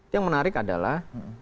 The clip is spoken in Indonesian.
yang menarik adalah